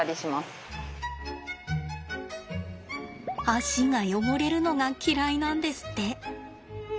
足が汚れるのが嫌いなんですって。